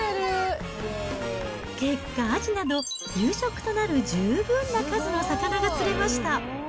結果、アジなど夕食となる十分な魚が釣れました。